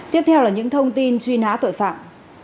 tiếp theo là những thông tin truy nã tội phạm